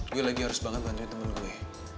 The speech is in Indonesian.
gue lagi harus banget bantuin temen gue